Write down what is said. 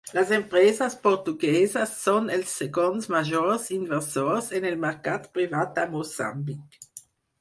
Les empreses portugueses són els segons majors inversors en el mercat privat a Moçambic.